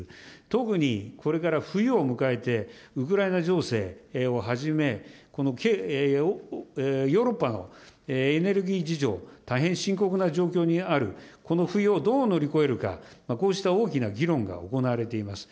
特にこれから冬を迎えて、ウクライナ情勢をはじめ、ヨーロッパのエネルギー事情、大変深刻な状況にある、この冬をどう乗り越えるか、こうした大きな議論が行われています。